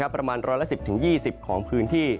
ประมาณ๑๑๐ถึง๒๐ของพื้นที่